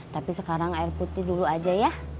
tapi sekarang air putih dulu aja ya